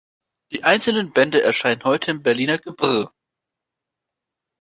Die einzelnen Bände erscheinen heute im Berliner Gebr.